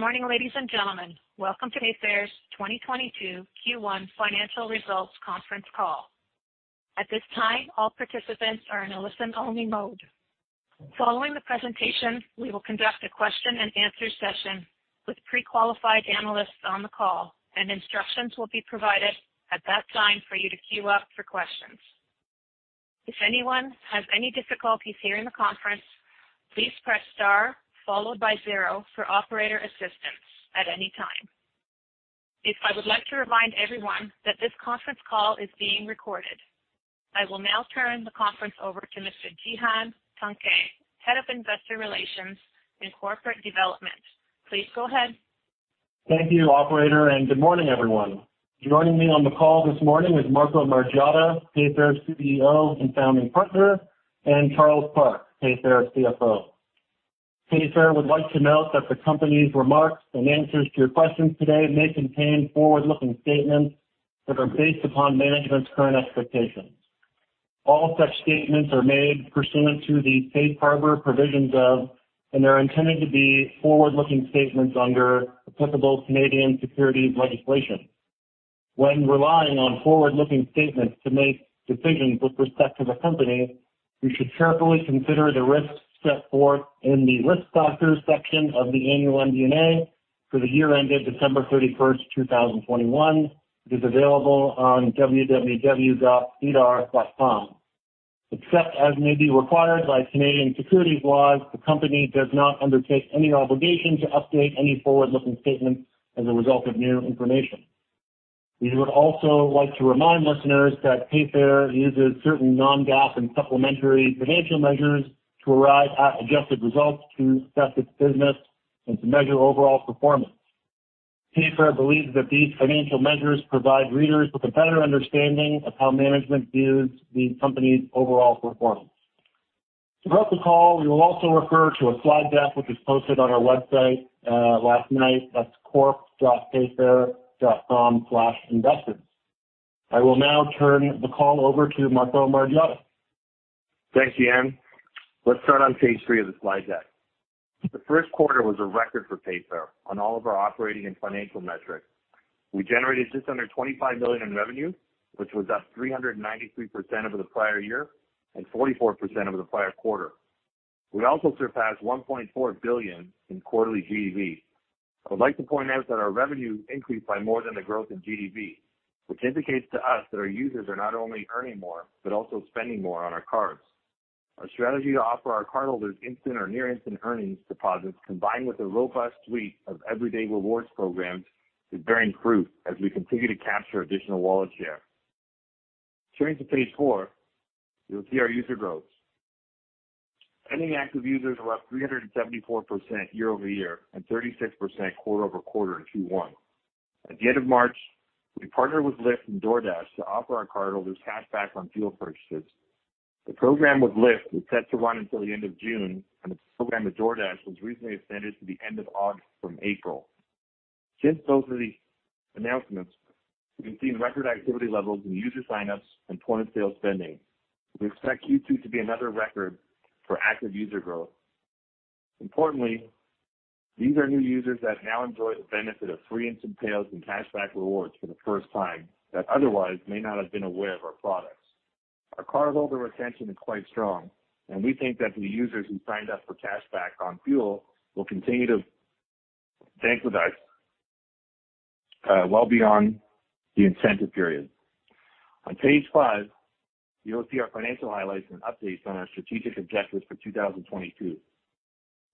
Good morning, ladies and gentlemen. Welcome to Payfare's 2022 Q1 financial results conference call. At this time, all participants are in a listen-only mode. Following the presentation, we will conduct a question-and-answer session with pre-qualified analysts on the call, and instructions will be provided at that time for you to queue up for questions. If anyone has any difficulties hearing the conference, please press star followed by zero for operator assistance at any time. I would like to remind everyone that this conference call is being recorded. I will now turn the conference over to Mr. Cihan Tuncay, Head of Investor Relations and Corporate Development. Please go ahead. Thank you, operator, and good morning, everyone. Joining me on the call this morning is Marco Margiotta, Payfare's CEO and Founding Partner, and Charles Park, Payfare's CFO. Payfare would like to note that the company's remarks and answers to your questions today may contain forward-looking statements that are based upon management's current expectations. All such statements are made pursuant to the safe harbor provisions of, and they're intended to be forward-looking statements under applicable Canadian securities legislation. When relying on forward-looking statements to make decisions with respect to the Company, you should carefully consider the risks set forth in the Risk Factors section of the annual MD&A for the year ended December 31, 2021. It is available on www.sedar.com. Except as may be required by Canadian securities laws, the Company does not undertake any obligation to update any forward-looking statements as a result of new information. We would also like to remind listeners that Payfare uses certain non-GAAP and supplementary financial measures to arrive at adjusted results to assess its business and to measure overall performance. Payfare believes that these financial measures provide readers with a better understanding of how management views the company's overall performance. Throughout the call, we will also refer to a slide deck, which was posted on our website, last night. That's corp.payfare.com/investors. I will now turn the call over to Marco Margiotta. Thanks, Cihan. Let's start on page three of the slide deck. The Q1 was a record for Payfare on all of our operating and financial metrics. We generated just under $25 million in revenue, which was up 393% over the prior year and 44% over the prior quarter. We also surpassed $1.4 billion in quarterly GDV. I would like to point out that our revenue increased by more than the growth in GDV, which indicates to us that our users are not only earning more but also spending more on our cards. Our strategy to offer our cardholders instant or near instant earnings deposits, combined with a robust suite of everyday rewards programs, is bearing fruit as we continue to capture additional wallet share. Turning to page four, you'll see our user growth. Spending active users were up 374% year-over-year and 36% quarter-over-quarter in Q1. At the end of March, we partnered with Lyft and DoorDash to offer our cardholders cashback on fuel purchases. The program with Lyft was set to run until the end of June, and the program with DoorDash was recently extended to the end of August from April. Since those early announcements, we've seen record activity levels in user sign-ups and point-of-sale spending. We expect Q2 to be another record for active user growth. Importantly, these are new users that now enjoy the benefit of free instant payouts and cashback rewards for the first time that otherwise may not have been aware of our products. Our cardholder retention is quite strong, and we think that the users who signed up for cashback on fuel will continue to bank with us, well beyond the incentive period. On page five, you will see our financial highlights and updates on our strategic objectives for 2022.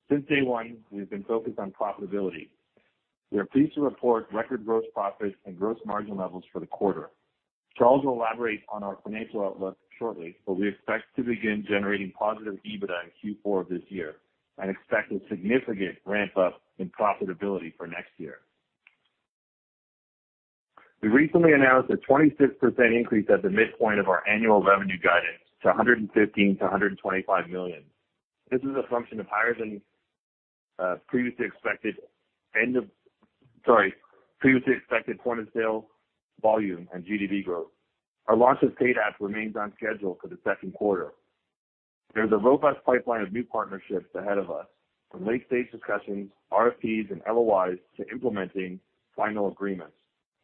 Since day one, we've been focused on profitability. We are pleased to report record gross profits and gross margin levels for the quarter. Charles will elaborate on our financial outlook shortly, but we expect to begin generating positive EBITDA in Q4 of this year and expect a significant ramp-up in profitability for next year. We recently announced a 26% increase at the midpoint of our annual revenue guidance to 115 million-125 million. This is a function of higher than previously expected point-of-sale volume and GDV growth. Our launch with Paid App remains on schedule for the second quarter. There's a robust pipeline of new partnerships ahead of us, from late-stage discussions, RFPs, and LOIs to implementing final agreements.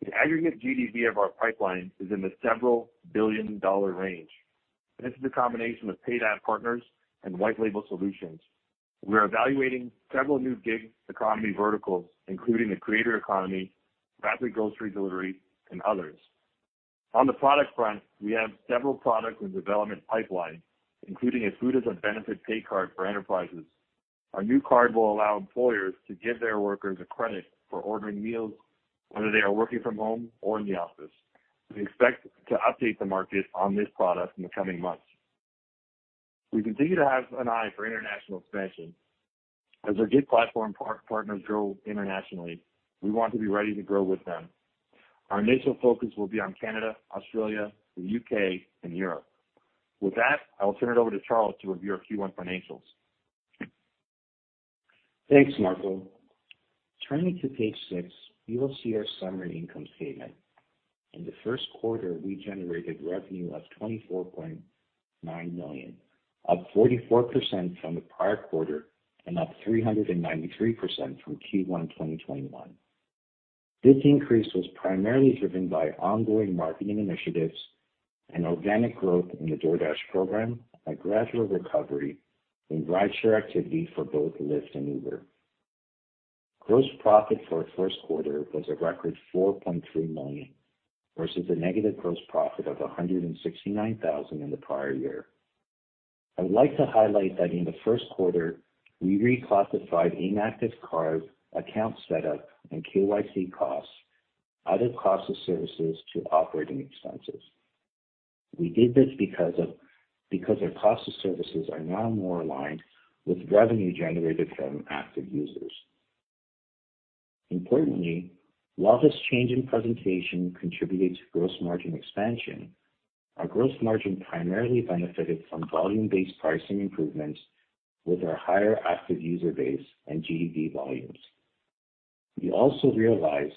The aggregate GDV of our pipeline is in the several billion CAD range, and this is a combination of paid ad partners and white-label solutions. We are evaluating several new gig economy verticals, including the creator economy, rapid grocery delivery, and others. On the product front, we have several products in development pipeline, including a food as a benefit pay card for enterprises. Our new card will allow employers to give their workers a credit for ordering meals, whether they are working from home or in the office. We expect to update the market on this product in the coming months. We continue to have an eye for international expansion. As our gig platform partners grow internationally, we want to be ready to grow with them. Our initial focus will be on Canada, Australia, the UK, and Europe. With that, I will turn it over to Charles to review our Q1 financials. Thanks, Marco. Turning to page six, you will see our summary income statement. In the Q1, we generated revenue of $24.9 million, up 44% from the prior quarter and up 393% from Q1 in 2021. This increase was primarily driven by ongoing marketing initiatives and organic growth in the DoorDash program, a gradual recovery in rideshare activity for both Lyft and Uber. Gross profit for the Q1 was a record $4.3 million versus a negative gross profit of $169 thousand in the prior year. I'd like to highlight that in the Q1, we reclassified inactive card account setup and KYC costs, other cost of services to operating expenses. We did this because our cost of services are now more aligned with revenue generated from active users. Importantly, while this change in presentation contributed to gross margin expansion, our gross margin primarily benefited from volume-based pricing improvements with our higher active user base and GDV volumes. We also realized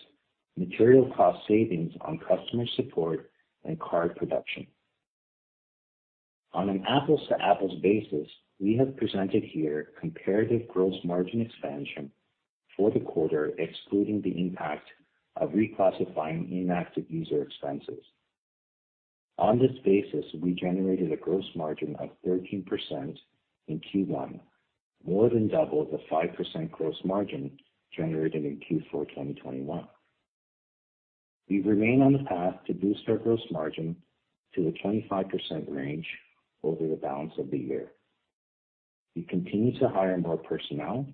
material cost savings on customer support and card production. On an apples to apples basis, we have presented here comparative gross margin expansion for the quarter, excluding the impact of reclassifying inactive user expenses. On this basis, we generated a gross margin of 13% in Q1, more than double the 5% gross margin generated in Q4 2021. We remain on the path to boost our gross margin to the 25% range over the balance of the year. We continue to hire more personnel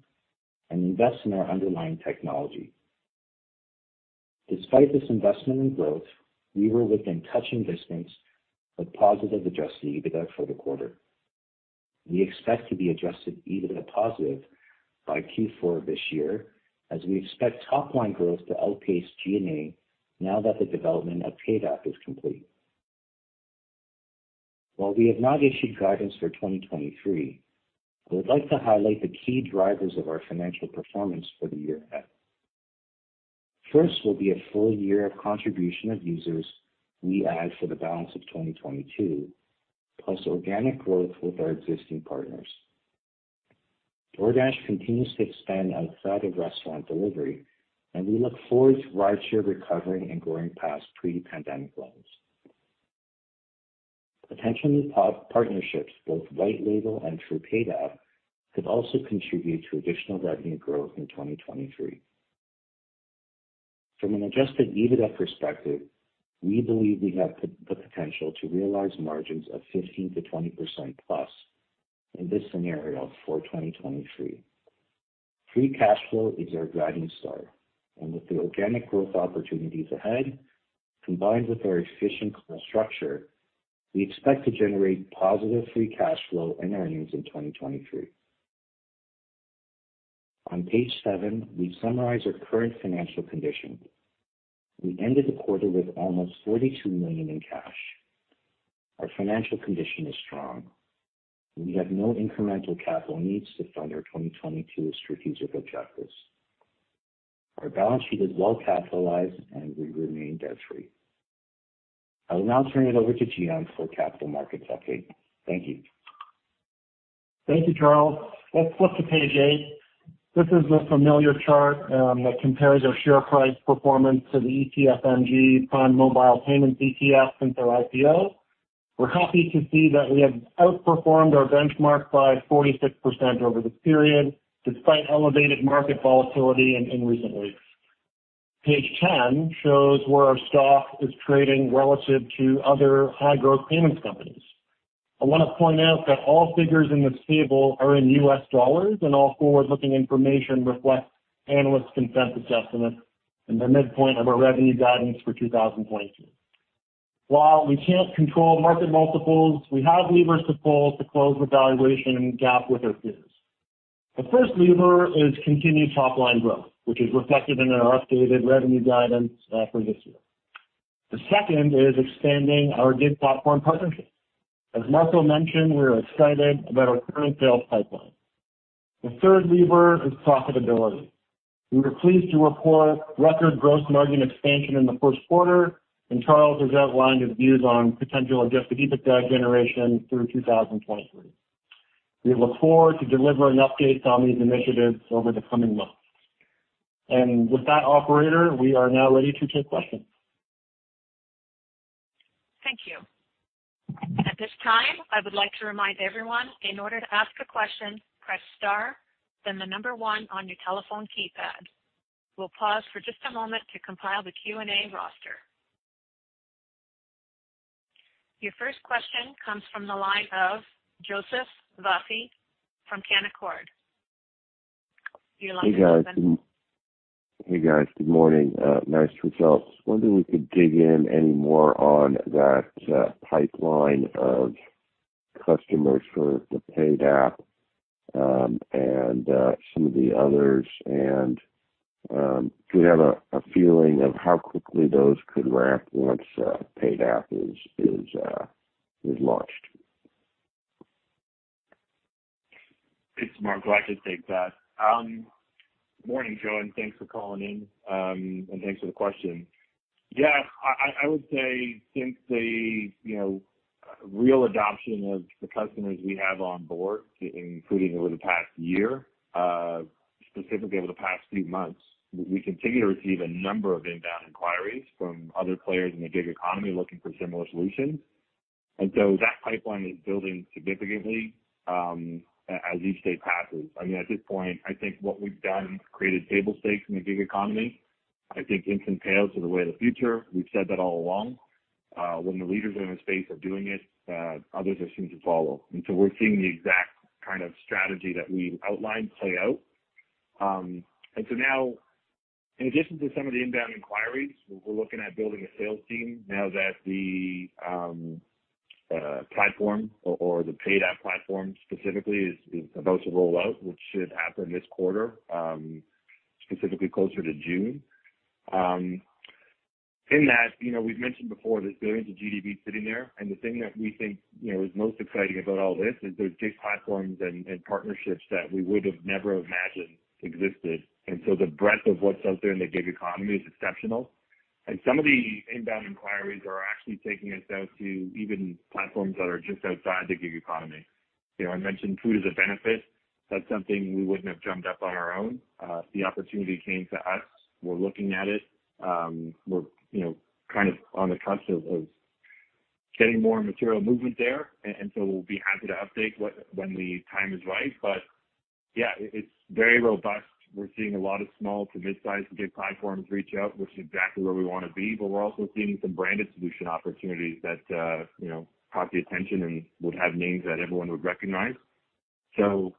and invest in our underlying technology. Despite this investment in growth, we were within touching distance of positive adjusted EBITDA for the quarter. We expect to be adjusted EBITDA positive by Q4 this year as we expect top line growth to outpace G&A now that the development of Paid App is complete. While we have not issued guidance for 2023, I would like to highlight the key drivers of our financial performance for the year ahead. First will be a full year of contribution of users we add for the balance of 2022, plus organic growth with our existing partners. DoorDash continues to expand outside of restaurant delivery, and we look forward to rideshare recovering and growing past pre-pandemic levels. Potential new partnerships, both white label and through Paid App, could also contribute to additional revenue growth in 2023. From an adjusted EBITDA perspective, we believe we have the potential to realize margins of 15%-20%+ in this scenario for 2023. Free cash flow is our guiding star, and with the organic growth opportunities ahead, combined with our efficient cost structure, we expect to generate positive free cash flow and earnings in 2023. On page seven, we summarize our current financial condition. We ended the quarter with almost 42 million in cash. Our financial condition is strong. We have no incremental capital needs to fund our 2022 strategic objectives. Our balance sheet is well capitalized, and we remain debt-free. I will now turn it over to Cihan for capital markets update. Thank you. Thank you, Charles. Let's flip to page eight. This is a familiar chart that compares our share price performance to the ETFMG Prime Mobile Payments ETF since our IPO. We're happy to see that we have outperformed our benchmark by 46% over this period, despite elevated market volatility in recent weeks. Page 10 shows where our stock is trading relative to other high-growth payments companies. I want to point out that all figures in this table are in US dollars, and all forward-looking information reflects analysts' consensus estimates in the midpoint of our revenue guidance for 2022. While we can't control market multiples, we have levers to pull to close the valuation gap with our peers. The first lever is continued top-line growth, which is reflected in our updated revenue guidance for this year. The second is expanding our gig platform partnerships. As Marco mentioned, we are excited about our current sales pipeline. The third lever is profitability. We were pleased to report record gross margin expansion in the Q1, and Charles has outlined his views on potential adjusted EBITDA generation through 2023. We look forward to delivering updates on these initiatives over the coming months. With that, operator, we are now ready to take questions. Thank you. At this time, I would like to remind everyone, in order to ask a question, press star, then the number one on your telephone keypad. We'll pause for just a moment to compile the Q&A roster. Your first question comes from the line of Joseph Vafi from Canaccord Genuity. Your line is open. Hey, guys. Good morning. Nice results. Wondering if we could dig in any more on that, pipeline of customers for the Paid App, and some of the others. If you have a feeling of how quickly those could ramp once Paid App is launched. This is Marco. I'll just take that. Morning, Joe. And thanks for calling in, and thanks for the question. Yeah, I would say since the, you know, real adoption of the customers we have on board, including over the past year, specifically over the past few months, we continue to receive a number of inbound inquiries from other players in the gig economy looking for similar solutions. That pipeline is building significantly, as each day passes. I mean, at this point, I think what we've done created table stakes in the gig economy. I think instant payments are the way of the future. We've said that all along. When the leaders in the space are doing it, others are soon to follow. We're seeing the exact kind of strategy that we've outlined play out. Now in addition to some of the inbound inquiries, we're looking at building a sales team now that the platform or the Paid App platform specifically is about to roll out, which should happen this quarter, specifically closer to June. In that, you know, we've mentioned before there's billions of GDV sitting there, and the thing that we think, you know, is most exciting about all this is there's gig platforms and partnerships that we would have never imagined existed. The breadth of what's out there in the gig economy is exceptional. Some of the inbound inquiries are actually taking us out to even platforms that are just outside the gig economy. You know, I mentioned food as a benefit. That's something we wouldn't have dreamt up on our own. The opportunity came to us. We're looking at it. We're you know kind of on the cusp of getting more material movement there. We'll be happy to update you when the time is right. Yeah, it's very robust. We're seeing a lot of small to midsize gig platforms reach out, which is exactly where we want to be, but we're also seeing some branded solution opportunities that you know caught the attention and would have names that everyone would recognize.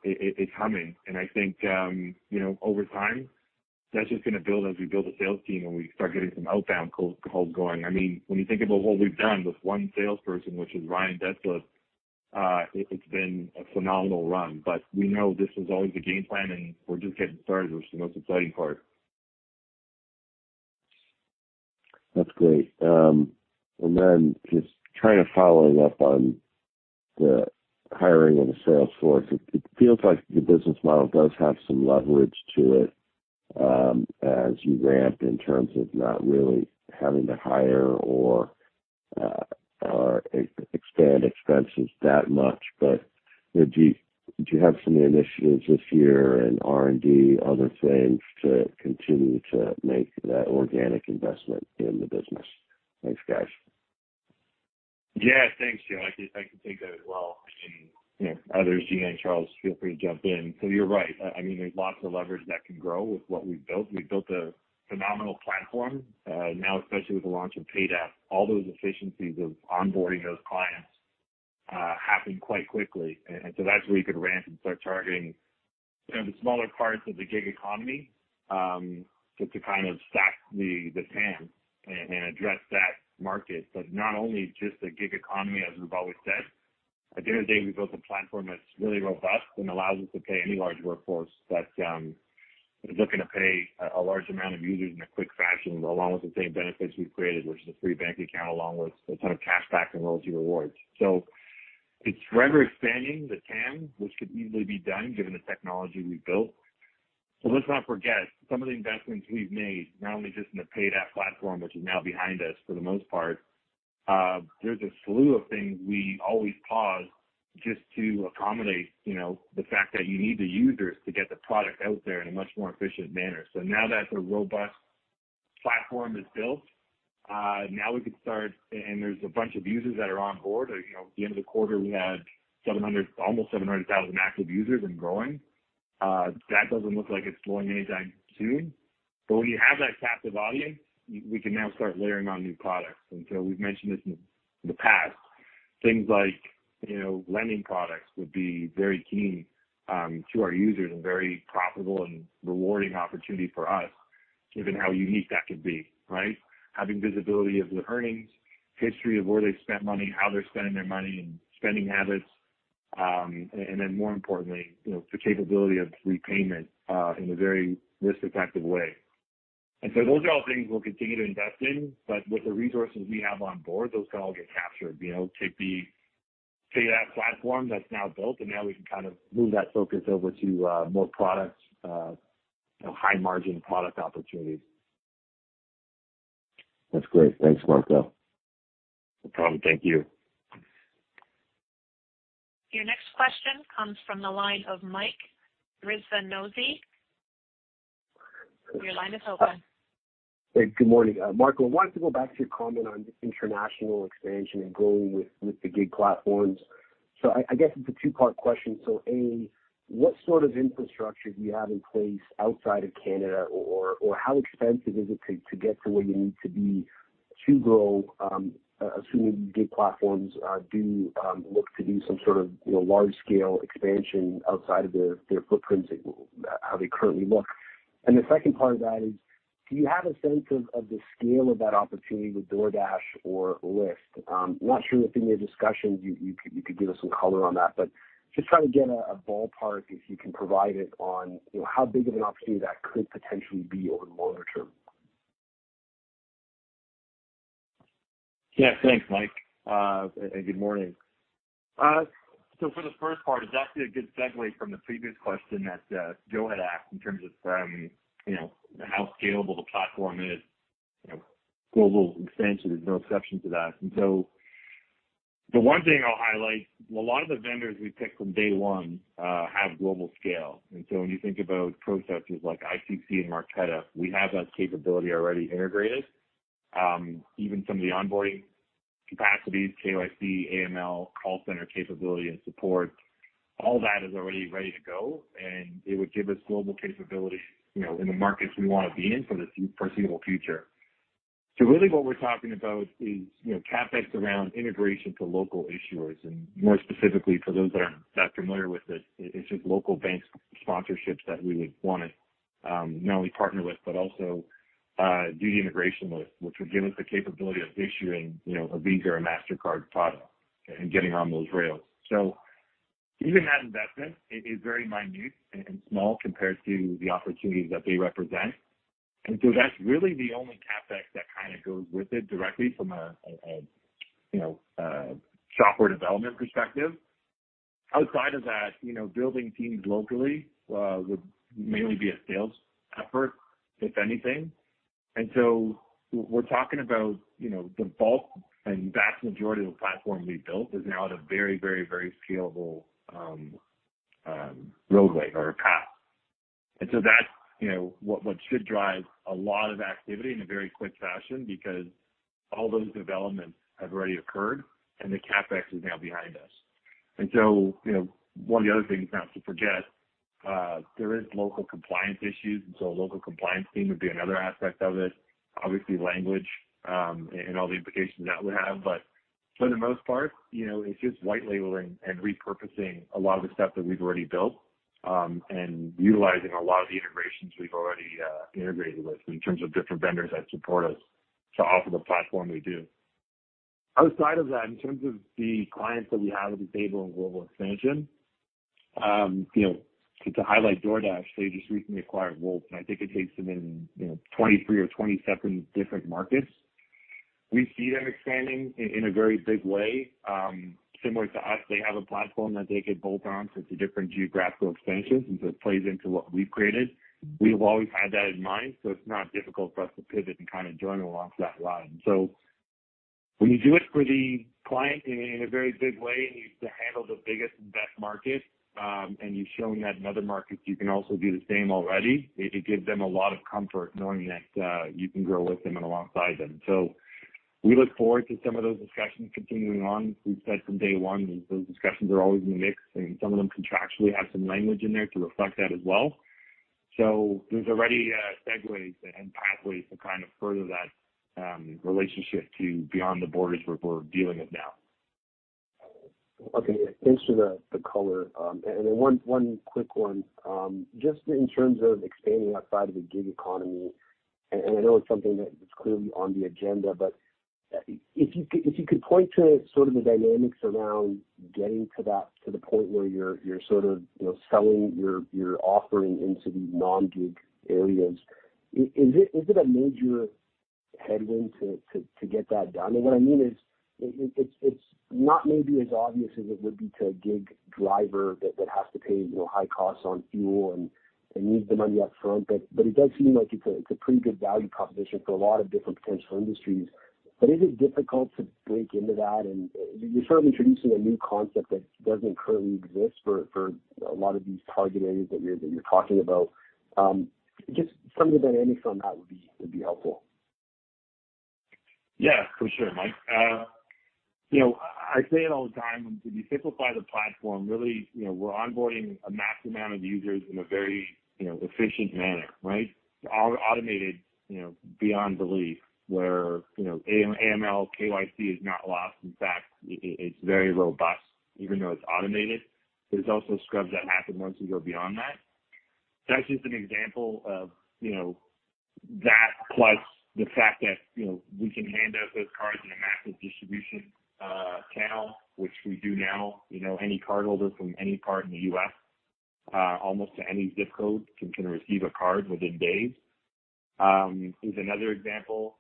It's humming. I think you know over time, that's just going to build as we build a sales team, and we start getting some outbound calls going. I mean, when you think about what we've done with one salesperson, which is Ryan Deslippe, it's been a phenomenal run. We know this was always the game plan, and we're just getting started, which is the most exciting part. That's great. Just kind of following up on the hiring of the sales force, it feels like your business model does have some leverage to it, as you ramp in terms of not really having to hire or expand expenses that much. Do you have some initiatives this year in R&D, other things to continue to make that organic investment in the business? Thanks, guys. Yeah. Thanks, Joseph Vafi. I can take that as well. I mean, you know, others, Cihan Tuncay and Charles Park, feel free to jump in. You're right. I mean, there's lots of leverage that can grow with what we've built. We've built a phenomenal platform. Now, especially with the launch of Paid App, all those efficiencies of onboarding those clients happen quite quickly. That's where you could ramp and start targeting, you know, the smaller parts of the gig economy just to kind of stack the TAM and address that market. Not only just the gig economy, as we've always said. At the end of the day, we built a platform that's really robust and allows us to pay any large workforce that is looking to pay a large amount of users in a quick fashion, along with the same benefits we've created, which is a free bank account, along with a ton of cash back and loyalty rewards. It's forever expanding the TAM, which could easily be done given the technology we've built. Let's not forget some of the investments we've made, not only just in the Payfare platform, which is now behind us for the most part. There's a slew of things we always pause just to accommodate, you know, the fact that you need the users to get the product out there in a much more efficient manner. Now that the robust platform is built, now we can start. There's a bunch of users that are on board. You know, at the end of the quarter, we had 700, almost 700,000 active users and growing. That doesn't look like it's slowing anytime soon. When you have that captive audience, we can now start layering on new products. We've mentioned this in the past. Things like, you know, lending products would be very key to our users and very profitable and rewarding opportunity for us, given how unique that could be, right? Having visibility of the earnings, history of where they spent money, how they're spending their money and spending habits, and then more importantly, you know, the capability of repayment, in a very risk-effective way. Those are all things we'll continue to invest in, but with the resources we have on board, those can all get captured. You know, take the Payfare platform that's now built, and now we can kind of move that focus over to more products, you know, high margin product opportunities. That's great. Thanks, Marco. No problem. Thank you. Your next question comes from the line of Mike Rizvanovic. Your line is open. Hey, good morning. Marco, I wanted to go back to your comment on international expansion and growing with the gig platforms. I guess it's a two-part question. A, what sort of infrastructure do you have in place outside of Canada, or how expensive is it to get to where you need to be to grow, assuming gig platforms do look to do some sort of, you know, large scale expansion outside of their footprints and how they currently look? And the second part of that is, do you have a sense of the scale of that opportunity with DoorDash or Lyft? I'm not sure if in your discussions you could give us some color on that. Just trying to get a ballpark, if you can provide it, on, you know, how big of an opportunity that could potentially be over the longer term. Yeah. Thanks, Mike. Good morning. For the first part, it's actually a good segue from the previous question that Joe had asked in terms of from, you know, how scalable the platform is. You know, global expansion is no exception to that. The one thing I'll highlight, a lot of the vendors we picked from day one have global scale. When you think about processors like i2c and Marqeta, we have that capability already integrated. Even some of the onboarding capacities, KYC, AML, call center capability and support, all that is already ready to go, and it would give us global capability, you know, in the markets we want to be in for the foreseeable future. Really what we're talking about is, you know, CapEx around integration to local issuers, and more specifically for those that are not familiar with it's just local bank sponsorships that we would want to not only partner with, but also do the integration with, which would give us the capability of issuing, you know, a Visa or Mastercard product and getting on those rails. Even that investment is very minute and small compared to the opportunities that they represent. That's really the only CapEx that kind of goes with it directly from a, you know, a software development perspective. Outside of that, you know, building teams locally would mainly be a sales effort, if anything. We're talking about, you know, the bulk and vast majority of the platform we built is now at a very scalable roadway or path. That's, you know, what should drive a lot of activity in a very quick fashion because all those developments have already occurred and the CapEx is now behind us. You know, one of the other things not to forget, there is local compliance issues, and so a local compliance team would be another aspect of it, obviously language, and all the implications that would have. For the most part, you know, it's just white labeling and repurposing a lot of the stuff that we've already built, and utilizing a lot of the integrations we've already integrated with in terms of different vendors that support us to offer the platform we do. Outside of that, in terms of the clients that we have at the table in global expansion, you know, to highlight DoorDash, they just recently acquired Wolt, and I think it takes them into, you know, 23 or 27 different markets. We see them expanding in a very big way. Similar to us, they have a platform that they could bolt on to different geographical expansions, and so it plays into what we've created. We've always had that in mind, so it's not difficult for us to pivot and kind of join along that line. When you do it for the client in a very big way, and you handle the biggest and best markets, and you've shown that in other markets, you can also do the same already, it gives them a lot of comfort knowing that you can grow with them and alongside them. We look forward to some of those discussions continuing on. We've said from day one that those discussions are always in the mix, and some of them contractually have some language in there to reflect that as well. There's already segues and pathways to kind of further that relationship to beyond the borders where we're viewing it now. Okay. Thanks for the color. Just in terms of expanding outside of the gig economy, and I know it's something that is clearly on the agenda, but if you could point to sort of the dynamics around getting to that, to the point where you're sort of, you know, selling your offering into these non-gig areas, is it a major headwind to get that done? What I mean is it's not maybe as obvious as it would be to a gig driver that has to pay, you know, high costs on fuel and needs the money up front. It does seem like it's a pretty good value proposition for a lot of different potential industries. Is it difficult to break into that? You're sort of introducing a new concept that doesn't currently exist for a lot of these target areas that you're talking about. Just some of the dynamics on that would be helpful. Yeah, for sure, Mike. You know, I say it all the time. When you simplify the platform, really, you know, we're onboarding a mass amount of users in a very, you know, efficient manner, right? All automated, you know, beyond belief, where, you know, AML, KYC is not lost. In fact, it's very robust even though it's automated. There's also scrubs that happen once you go beyond that. That's just an example of, you know, that plus the fact that, you know, we can hand out those cards in a massive distribution channel, which we do now. You know, any cardholder from any part in the US, almost to any ZIP code can receive a card within days, is another example.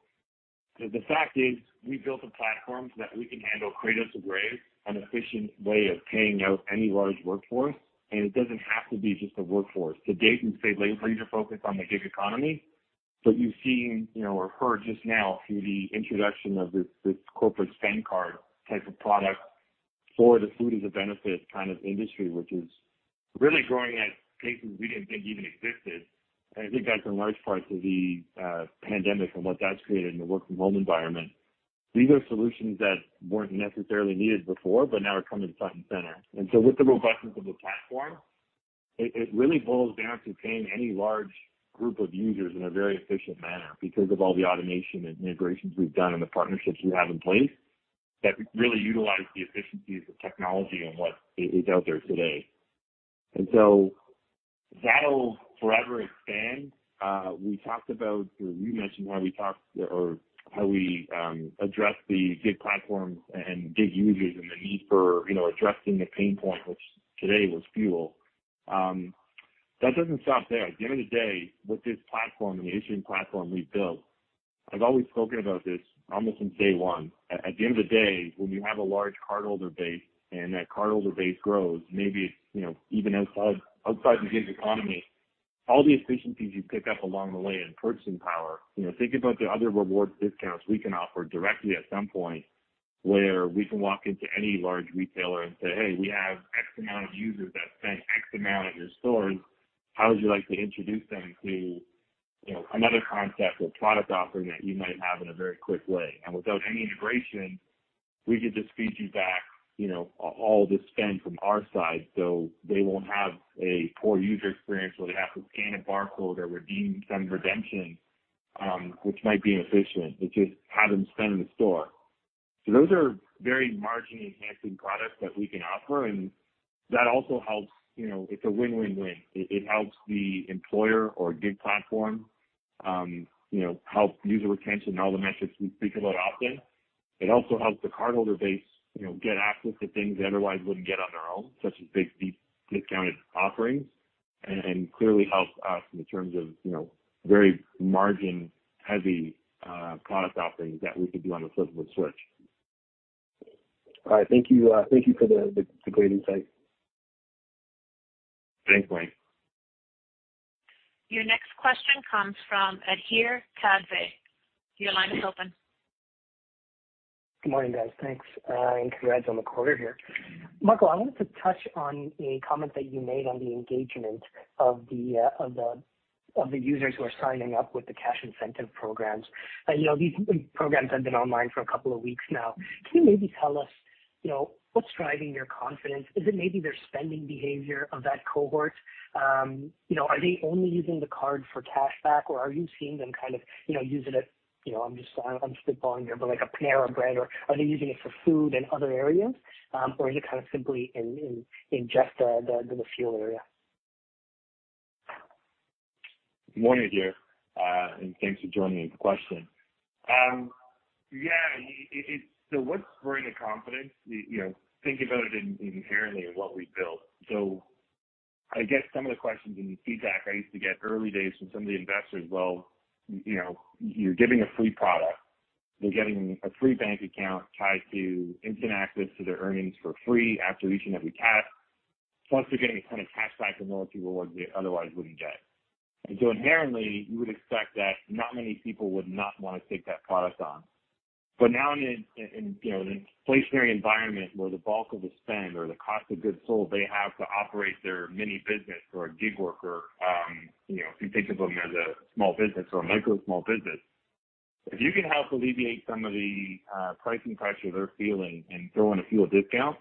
The fact is we built a platform so that we can handle cradle to grave, an efficient way of paying out any large workforce, and it doesn't have to be just a workforce. To date, we've stayed laser-focused on the gig economy, but you've seen, you know, or heard just now through the introduction of this corporate spend card type of product for the food as a benefit kind of industry, which is really growing at paces we didn't think even existed. I think that's in large part to the pandemic and what that's created in the work from home environment. These are solutions that weren't necessarily needed before but now are coming front and center. With the robustness of the platform, it really boils down to paying any large group of users in a very efficient manner because of all the automation and integrations we've done and the partnerships we have in place that really utilize the efficiencies of technology and what is out there today. That'll forever expand. We talked about, or you mentioned how we address the gig platforms and gig users and the need for, you know, addressing the pain point, which today was fuel. That doesn't stop there. At the end of the day, with this platform and the issuing platform we've built, I've always spoken about this almost from day one. At the end of the day, when you have a large cardholder base and that cardholder base grows, maybe, you know, even outside the gig economy, all the efficiencies you pick up along the way and purchasing power. You know, think about the other reward discounts we can offer directly at some point where we can walk into any large retailer and say, "Hey, we have X amount of users that spend X amount at your stores. How would you like to introduce them to, you know, another concept or product offering that you might have in a very quick way?" Without any integration, we could just feed you back, you know, all the spend from our side, so they won't have a poor user experience where they have to scan a barcode or redeem some redemption, which might be inefficient. It's just to have them spend in the store. Those are very margin-enhancing products that we can offer, and that also helps. You know, it's a win-win-win. It helps the employer or gig platform, you know, help user retention and all the metrics we speak about often. It also helps the cardholder base, you know, get access to things they otherwise wouldn't get on their own, such as big, deep discounted offerings. Clearly helps us in terms of, you know, very margin-heavy, product offerings that we could do on the flip of a switch. All right. Thank you. Thank you for the great insight. Thanks, Mike. Your next question comes from Adhir Kadve. Your line is open. Good morning, guys. Thanks. Congrats on the quarter here. Marco, I wanted to touch on a comment that you made on the engagement of the users who are signing up with the cash incentive programs. You know, these programs have been online for a couple of weeks now. Can you maybe tell us, you know, what's driving your confidence? Is it maybe their spending behavior of that cohort? You know, are they only using the card for cashback, or are you seeing them kind of, you know, using it, you know, I'm just, I'm spitballing here, but like a Panera Bread or are they using it for food and other areas, or is it kind of simply in just the fuel area? Good morning, Adhir, and thanks for joining. Good question. What's bringing the confidence? You know, think about it inherently in what we've built. I guess some of the questions and the feedback I used to get early days from some of the investors. Well, you know, you're giving a free product. They're getting a free bank account tied to instant access to their earnings for free after each and every task. Plus, they're getting some cashback and loyalty rewards they otherwise wouldn't get. Inherently, you would expect that not many people would not want to take that product on. Now in you know an inflationary environment where the bulk of the spend or the cost of goods sold they have to operate their mini business or a gig worker you know if you think of them as a small business or a micro small business. If you can help alleviate some of the pricing pressure they're feeling and throw in a fuel discount,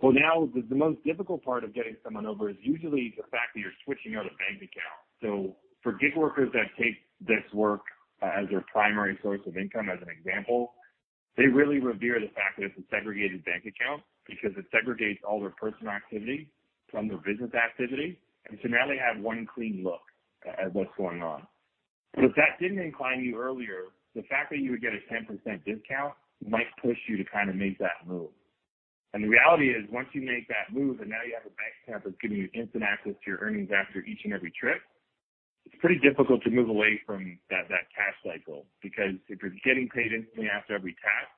well now the most difficult part of getting someone over is usually the fact that you're switching out a bank account. For gig workers that take this work as their primary source of income as an example, they really revere the fact that it's a segregated bank account because it segregates all their personal activity from their business activity. Now they have one clean look at what's going on. If that didn't incline you earlier, the fact that you would get a 10% discount might push you to kind of make that move. The reality is, once you make that move and now you have a bank account that's giving you instant access to your earnings after each and every trip, it's pretty difficult to move away from that cash cycle. Because if you're getting paid instantly after every task,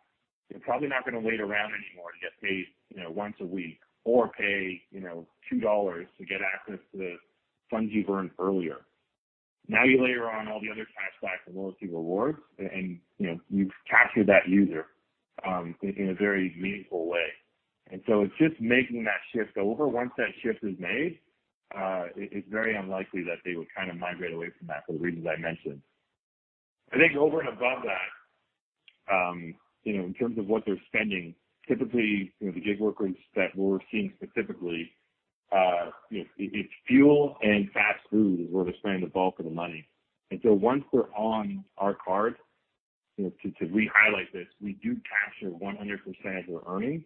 you're probably not going to wait around anymore to get paid, you know, once a week or pay, you know, $2 to get access to the funds you've earned earlier. Now, you layer on all the other cash back and loyalty rewards and, you know, you've captured that user in a very meaningful way. It's just making that shift over. Once that shift is made, it's very unlikely that they would kind of migrate away from that for the reasons I mentioned. I think over and above that, you know, in terms of what they're spending, typically, you know, the gig workers that we're seeing specifically, you know, it's fuel and fast food is where they're spending the bulk of the money. Once they're on our card, you know, to re-highlight this, we do capture 100% of their earnings.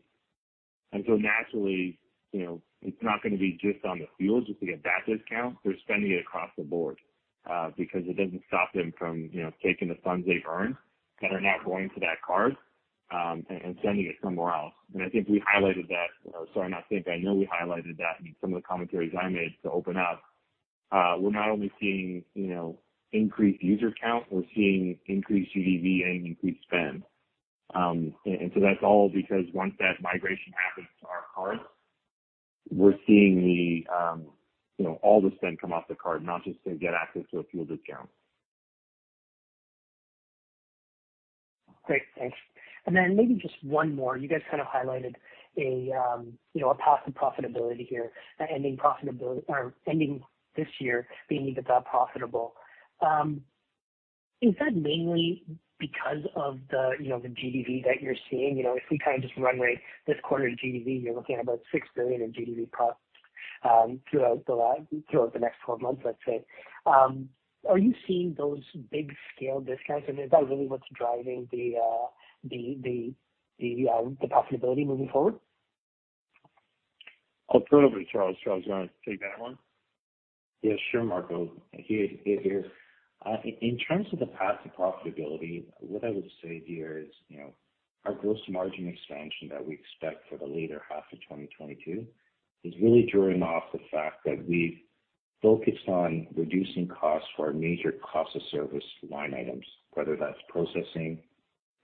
Naturally, you know, it's not going to be just on the fuel just to get that discount. They're spending it across the board, because it doesn't stop them from, you know, taking the funds they've earned that are now going to that card, and spending it somewhere else. I think we highlighted that. You know, I know we highlighted that in some of the commentaries I made to open up. We're not only seeing, you know, increased user count, we're seeing increased GDV and increased spend. That's all because once that migration happens to our cards, we're seeing the, you know, all the spend come off the card, not just to get access to a fuel discount. Great. Thanks. Maybe just one more. You guys kind of highlighted a path to profitability here, ending this year being EBITDA profitable. Is that mainly because of the GDV that you're seeing? If we kind of just run rate this quarter's GDV, you're looking at about $6 billion in GDV plus throughout the next twelve months, let's say. Are you seeing those big scale discounts, and is that really what's driving the profitability moving forward? I'll throw it over to Charles. Charles, you want to take that one? Yes, sure, Marco. Here, in terms of the path to profitability, what I would say here is, you know, our gross margin expansion that we expect for the latter half of 2022 is really drawing off the fact that we've focused on reducing costs for our major cost of service line items, whether that's processing,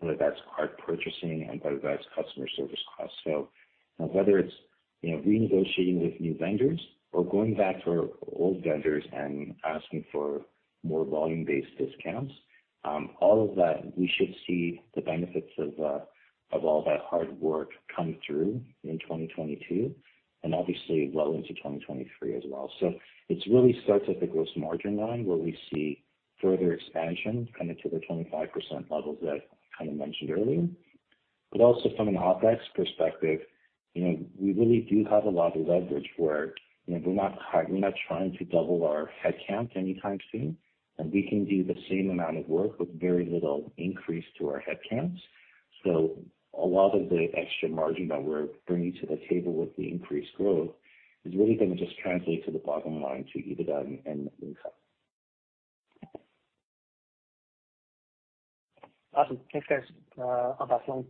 whether that's card purchasing, and whether that's customer service costs. Whether it's, you know, renegotiating with new vendors or going back to our old vendors and asking for more volume-based discounts, all of that we should see the benefits of all that hard work come through in 2022 and obviously well into 2023 as well. It really starts at the gross margin line where we see further expansion kind of to the 25% levels that I kind of mentioned earlier. Also from an OpEx perspective, you know, we really do have a lot of leverage where, you know, we're not trying to double our headcount anytime soon, and we can do the same amount of work with very little increase to our headcounts. A lot of the extra margin that we're bringing to the table with the increased growth is really going to just translate to the bottom line to EBITDA and net income. Awesome. Thanks, guys. I'll pass the line.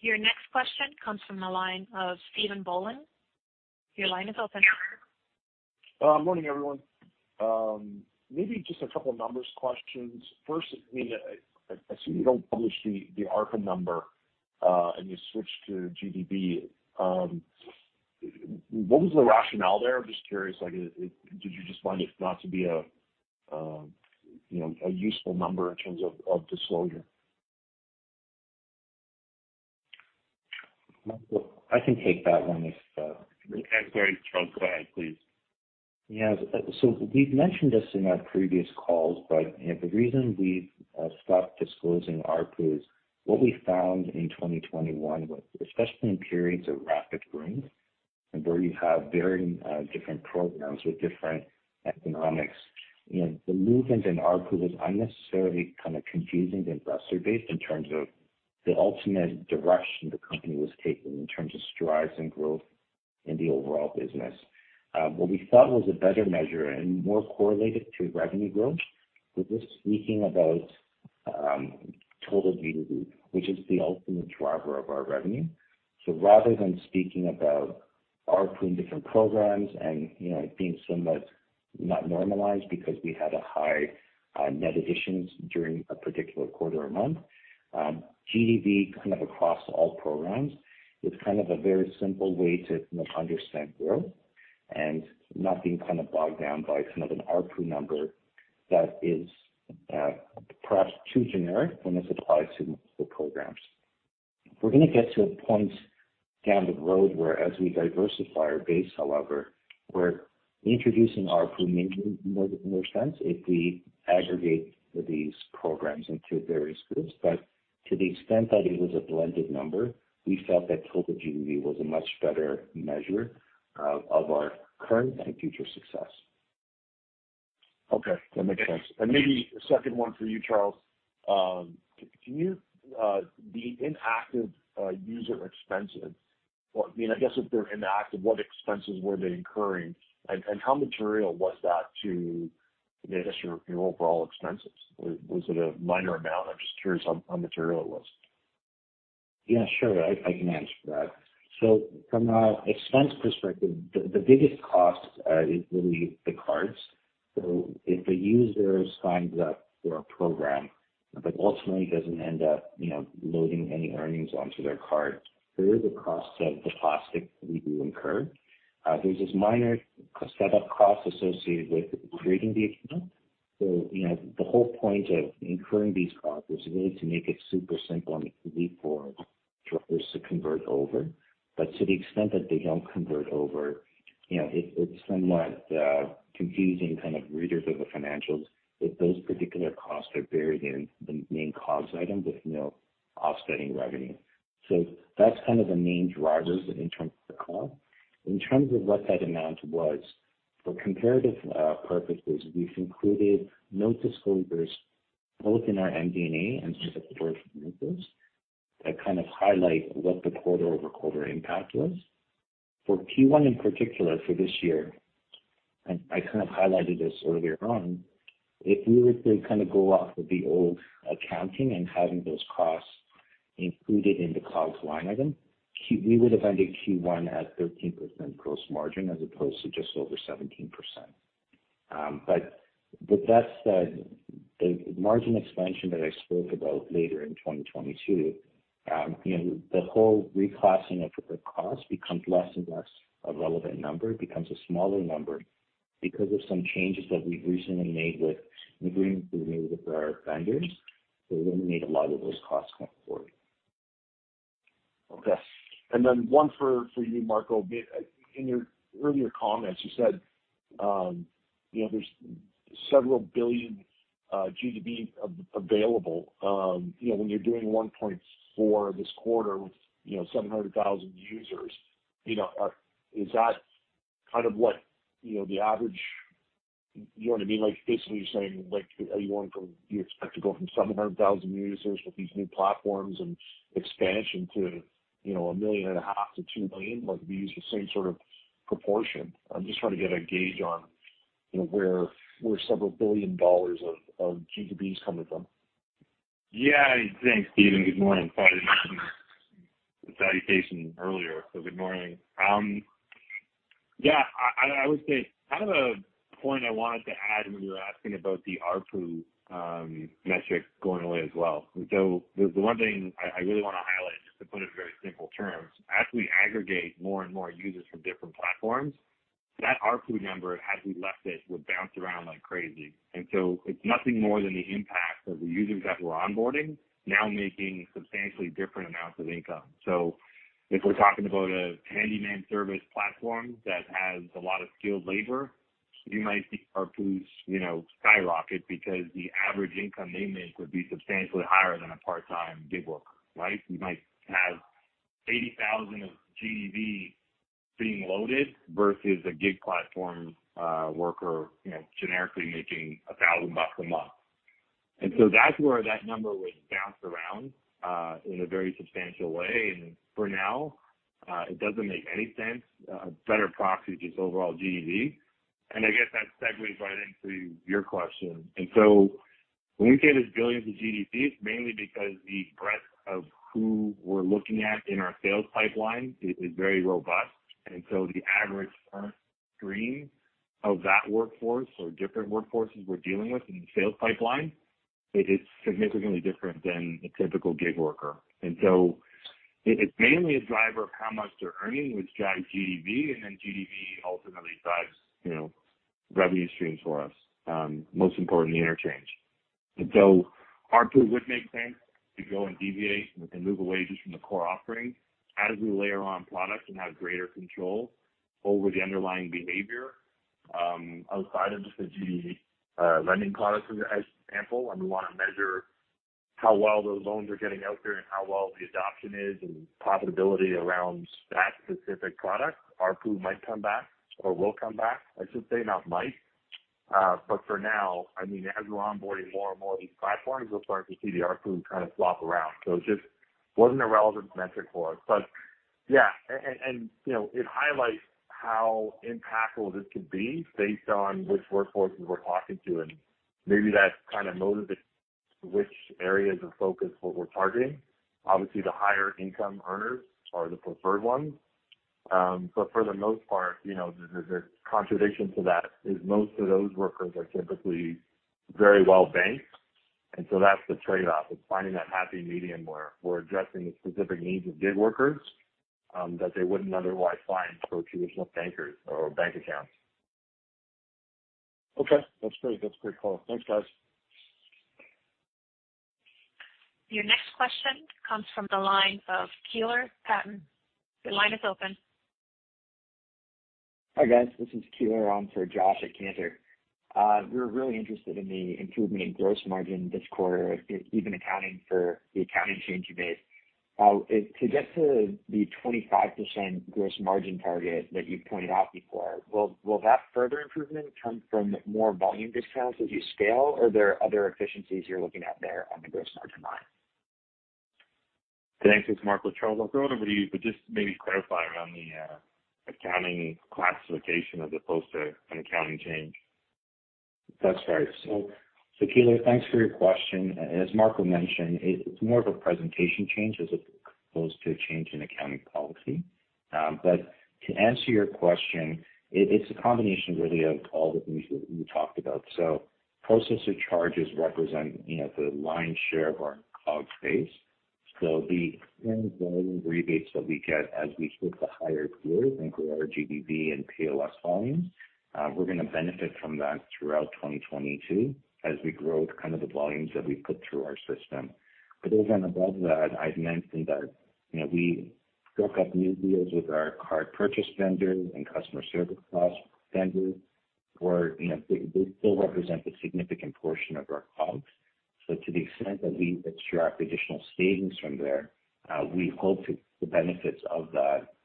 Your next question comes from the line of Stephen Boland. Your line is open. Morning, everyone. Maybe just a couple of numbers questions. First, I mean, I assume you don't publish the ARPU number, and you switch to GDV. What was the rationale there? I'm just curious, like, did you just find it not to be a you know a useful number in terms of disclosure? Marco, I can take that one if. Yeah, go ahead, Charles. Go ahead, please. Yeah. We've mentioned this in our previous calls, but, you know, the reason we've stopped disclosing ARPU is what we found in 2021 was especially in periods of rapid growth and where you have varying different programs with different economics, you know, the movement in ARPU was unnecessarily kind of confusing to investor base in terms of the ultimate direction the company was taking in terms of strides and growth in the overall business. What we thought was a better measure and more correlated to revenue growth was just speaking about total GDV, which is the ultimate driver of our revenue. Rather than speaking about ARPU in different programs and, you know, it being somewhat not normalized because we had a high net additions during a particular quarter or month, GDV kind of across all programs is kind of a very simple way to kind of understand growth and not being kind of bogged down by kind of an ARPU number that is perhaps too generic when this applies to multiple programs. We're going to get to a point down the road where as we diversify our base, however, we're introducing ARPU maybe more sense if we aggregate these programs into various groups. But to the extent that it was a blended number, we felt that total GDV was a much better measure of our current and future success. Okay, that makes sense. Maybe a second one for you, Charles. Can you the inactive user expenses, or, I mean, I guess if they're inactive, what expenses were they incurring? And how material was that to just your overall expenses? Was it a minor amount? I'm just curious how material it was. Yeah, sure. I can answer that. From an expense perspective, the biggest cost is really the cards. If a user signs up for a program but ultimately doesn't end up, you know, loading any earnings onto their card, there is a cost of the plastic we do incur. There's this minor set up cost associated with creating the account. You know, the whole point of incurring these costs is really to make it super simple and easy for drivers to convert over. To the extent that they don't convert over, you know, it's somewhat confusing to readers of the financials if those particular costs are buried in the main cost item with no offsetting revenue. That's kind of the main drivers in terms of the call. In terms of what that amount was, for comparative purposes, we've included note disclosures both in our MD&A and supporting notes that kind of highlight what the quarter-over-quarter impact was. For Q1 in particular for this year, and I kind of highlighted this earlier on, if we were to kind of go off of the old accounting and having those costs included in the cost line item, we would have ended Q1 at 13% gross margin as opposed to just over 17%. With that said, the margin expansion that I spoke about later in 2022, you know, the whole reclassing of the cost becomes less and less a relevant number. It becomes a smaller number because of some changes that we've recently made with agreements we've made with our vendors to eliminate a lot of those costs going forward. Okay. One for you, Marco. In your earlier comments, you said, you know, there's several billion GDV available. You know, when you're doing 1.4 this quarter with, you know, 700,000 users, you know, is that kind of what, you know, the average? You know what I mean? Like, basically, you're saying like, do you expect to go from 700,000 users with these new platforms and expansion to, you know, 1.5 million-2 million, like we use the same sort of proportion? I'm just trying to get a gauge on, you know, where several billion dollars of GDVs coming from. Yeah. Thanks, Stephen. Good morning. Sorry I didn't mention the salutation earlier. Good morning. Yeah. I would say kind of a point I wanted to add when you were asking about the ARPU metric going away as well. The one thing I really want to highlight, just to put it in very simple terms, as we aggregate more and more users from different platforms, that ARPU number, as we left it, would bounce around like crazy. And so it's nothing more than the impact of the users that we're onboarding now making substantially different amounts of income. If we're talking about a handyman service platform that has a lot of skilled labor, you might see ARPUs, you know, skyrocket because the average income they make would be substantially higher than a part-time gig worker, right? You might have 80,000 of GDV being loaded versus a gig platform worker, you know, generically making $1,000 a month. That's where that number would bounce around in a very substantial way. For now, it doesn't make any sense. A better proxy is just overall GDV. I guess that segues right into your question. When we say this billions of GDV, it's mainly because the breadth of who we're looking at in our sales pipeline is very robust. The average earnings stream of that workforce or different workforces we're dealing with in the sales pipeline is significantly different than the typical gig worker. It's mainly a driver of how much they're earning, which drives GDV, and then GDV ultimately drives, you know, revenue streams for us, most importantly, interchange. ARPU would make sense to go and deviate, and we can move away just from the core offering as we layer on products and have greater control over the underlying behavior outside of just the GDV lending products, as example, and we want to measure how well those loans are getting out there and how well the adoption is and profitability around that specific product. ARPU might come back or will come back, I should say, not might. But for now, I mean, as we're onboarding more and more of these platforms, we'll start to see the ARPU kind of flop around. So it just wasn't a relevant metric for us. But yeah. You know, it highlights how impactful this could be based on which workforces we're talking to. Maybe that's kind of motivated which areas of focus, what we're targeting. Obviously, the higher income earners are the preferred ones. But for the most part, you know, the contradiction to that is most of those workers are typically very well banked. That's the trade-off. It's finding that happy medium where we're addressing the specific needs of gig workers that they wouldn't otherwise find through traditional bankers or bank accounts. Okay. That's great. That's a great call. Thanks, guys. Your next question comes from the line of Keeler Patton. Your line is open. Hi, guys. This is Keeler on for Josh at Cantor. We're really interested in the improvement in gross margin this quarter, even accounting for the accounting change you made. To get to the 25% gross margin target that you pointed out before, will that further improvement come from more volume discounts as you scale, or are there other efficiencies you're looking at there on the gross margin line? Thanks. It's Marco. Charles, I'll throw it over to you, but just maybe clarify around the accounting classification as opposed to an accounting change. That's right. Keeler, thanks for your question. As Marco mentioned, it's more of a presentation change as opposed to a change in accounting policy. But to answer your question, it's a combination really of all the things that we talked about. Processor charges represent, you know, the lion's share of our cost base. The volume rebates that we get as we switch to higher deals, think of our GDV and POS volumes, we're going to benefit from that throughout 2022 as we grow kind of the volumes that we put through our system. Then above that, I'd mentioned that, you know, we struck up new deals with our card purchase vendors and customer service cost vendors, where, you know, they still represent a significant portion of our costs. To the extent that we extract additional savings from there, we hope the benefits of that throughout 2022,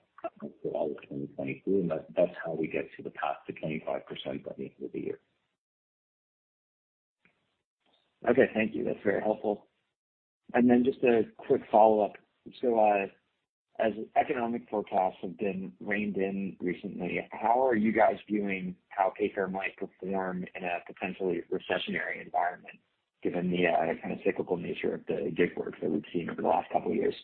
and that's how we get to the top to 25% by the end of the year. Okay. Thank you. That's very helpful. Just a quick follow-up. As economic forecasts have been reined in recently, how are you guys viewing how Payfare might perform in a potentially recessionary environment, given the kind of cyclical nature of the gig work that we've seen over the last couple of years?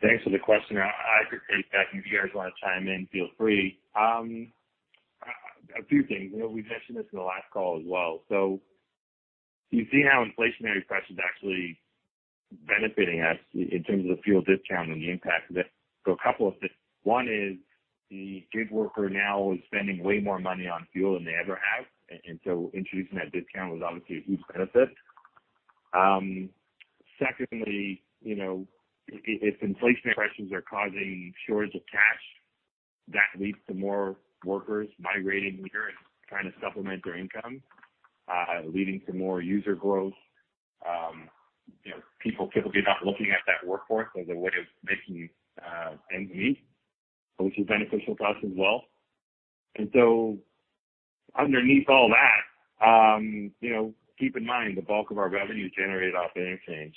Thanks for the question. I could take that, and if you guys want to chime in, feel free. A few things. You know, we've mentioned this in the last call as well. You see how inflationary pressures actually benefiting us in terms of the fuel discount and the impact of it. A couple of things. One is the gig worker now is spending way more money on fuel than they ever have, and so introducing that discount was obviously a huge benefit. Secondly, you know, if inflationary pressures are causing shortage of cash, that leads to more workers migrating here and trying to supplement their income, leading to more user growth. You know, people typically are not looking at that workforce as a way of making ends meet, which is beneficial to us as well. Underneath all that, keep in mind the bulk of our revenue is generated off interchange.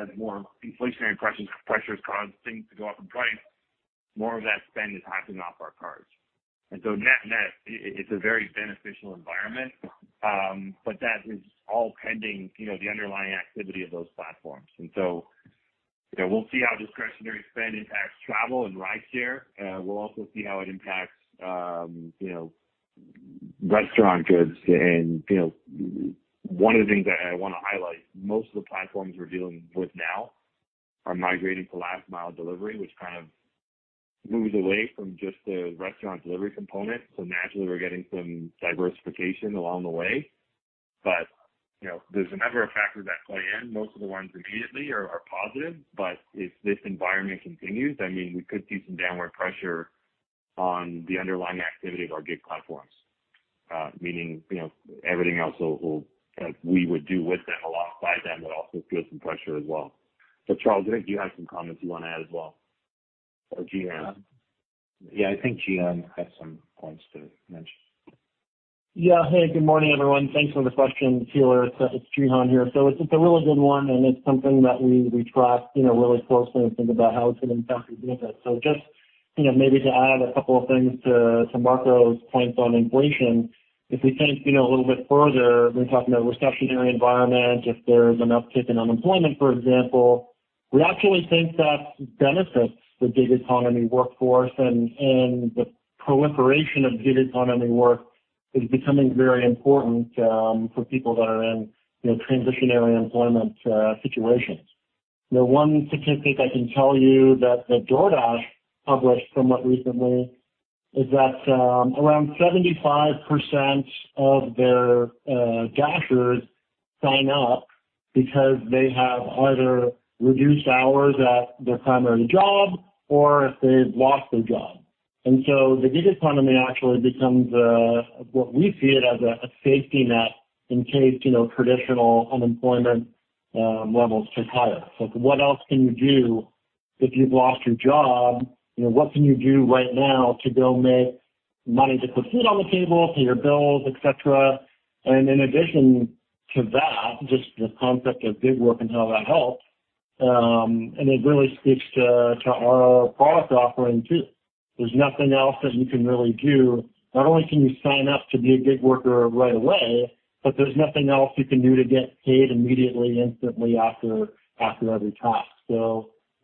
As more inflationary pressures cause things to go up in price, more of that spend is happening off our cards. Net-net, it's a very beneficial environment. But that is all pending the underlying activity of those platforms. We'll see how discretionary spend impacts travel and rideshare. We'll also see how it impacts restaurant goods. One of the things I want to highlight, most of the platforms we're dealing with now are migrating to last mile delivery, which kind of moves away from just the restaurant delivery component. Naturally we're getting some diversification along the way. You know, there's a number of factors that play in. Most of the ones immediately are positive. If this environment continues, I mean, we could see some downward pressure on the underlying activity of our gig platforms. Meaning, you know, everything else that we would do with them, along with them, would also feel some pressure as well. Charles, I think you had some comments you want to add as well. Or Cihan. Yeah, I think Cihan has some points to mention. Yeah. Hey, good morning, everyone. Thanks for the question, Keeler. It's Cihan here. It's a really good one, and it's something that we track, you know, really closely and think about how it's going to impact the business. Just, you know, maybe to add a couple of things to Marco's points on inflation. If we think, you know, a little bit further, we're talking about recessionary environment, if there's an uptick in unemployment, for example, we actually think that benefits the gig economy workforce and the proliferation of gig economy work is becoming very important for people that are in, you know, transitionary employment situations. The one statistic I can tell you that DoorDash published somewhat recently is that around 75% of their dashers sign up because they have either reduced hours at their primary job or if they've lost their job. The gig economy actually becomes what we see it as a safety net in case, you know, traditional unemployment levels get higher. Like, what else can you do if you've lost your job? You know, what can you do right now to go make money to put food on the table, pay your bills, et cetera? In addition to that, just the concept of gig work and how that helps, and it really speaks to our product offering too. There's nothing else that you can really do. Not only can you sign up to be a gig worker right away, but there's nothing else you can do to get paid immediately, instantly after every task.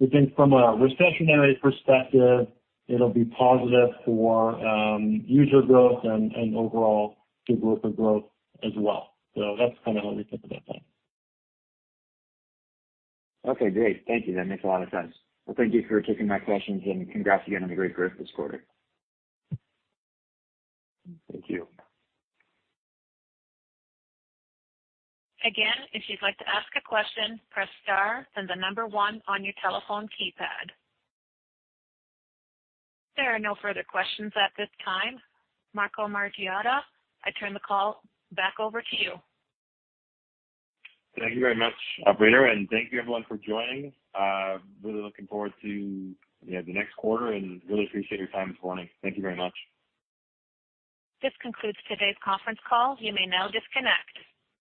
We think from a recessionary perspective, it'll be positive for user growth and overall gig worker growth as well. That's kind of how we think about that. Okay, great. Thank you. That makes a lot of sense. Well, thank you for taking my questions, and congrats again on the great growth this quarter. Thank you. Again, if you'd like to ask a question, press star then the number one on your telephone keypad. There are no further questions at this time. Marco Margiotta, I turn the call back over to you. Thank you very much, operator, and thank you everyone for joining. Really looking forward to, you know, the next quarter and really appreciate your time this morning. Thank you very much. This concludes today's conference call. You may now disconnect.